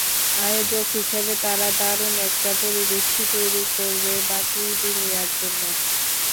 আয়োজক হিসেবে তারা দারুণ একটা পরিবেশই তৈরি করবে বাকি দুনিয়ার জন্য।